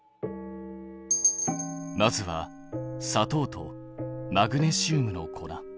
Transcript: まずは砂糖とマグネシウムの粉。